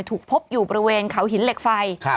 ถูกพบอยู่บริเวณเขาหินเหล็กไฟ